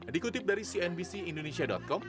dikutip dari cnbc indonesia com